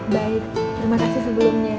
baik terima kasih sebelumnya